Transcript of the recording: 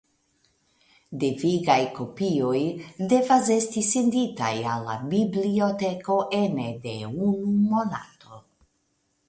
Devigaj kopioj devas esti senditaj al la biblioteko ene de unu monato.